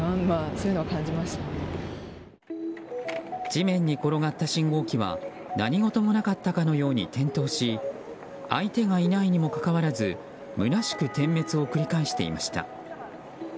地面に転がった信号機は何事もなかったかのように転倒し相手がいないにもかかわらずむなしく点滅を繰り返していました。